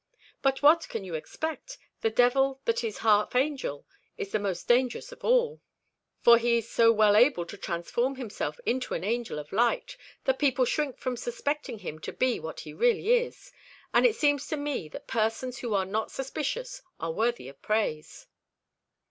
But what can you expect? The devil that is half angel is the most dangerous of all, for he is so well able to transform himself into an angel of light, that people shrink from suspecting him to be what he really is; and it seems to me that persons who are not suspicious are worthy of praise."